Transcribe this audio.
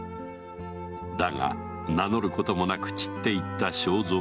だが名乗ることもなく散っていった庄三。